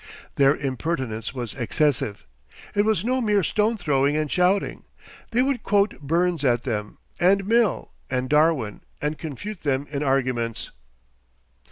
Their impertinence was excessive; it was no mere stone throwing and shouting. They would quote Burns at them and Mill and Darwin and confute them in arguments.